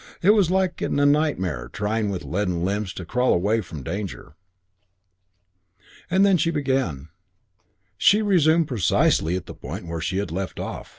It was like, in a nightmare, trying with leaden limbs to crawl away from danger. And then she began: She resumed precisely at the point where she had left off.